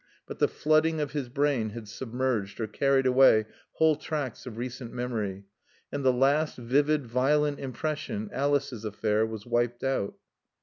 But the flooding of his brain had submerged or carried away whole tracts of recent memory, and the last vivid, violent impression Alice's affair was wiped out.